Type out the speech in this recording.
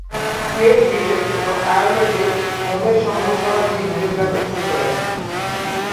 Great Britain এবং আয়ারল্যান্ডে মোমের সংগ্রহশালা নিয়ে ঘুরে বেড়াতে শুরু করেন।